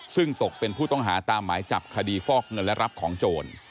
ซึ่งตกเป็นผู้ต้องหาตามหมายจับคดีฟอกเงินและรับของโจร